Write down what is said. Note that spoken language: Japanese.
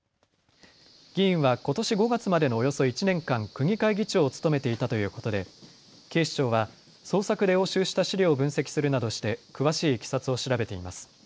議員はことし５月までのおよそ１年間、区議会議長を務めていたということで警視庁は捜索で押収した資料を分析するなどして詳しいいきさつを調べています。